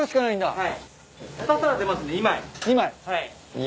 はい。